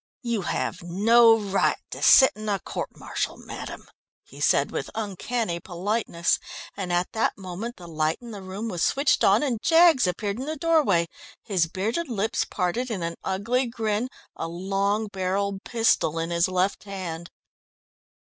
"You have no right to sit on a court martial, madam," he said with uncanny politeness, and at that moment the light in the room was switched on and Jaggs appeared in the doorway, his bearded lips parted in an ugly grin, a long barrelled pistol in his left hand.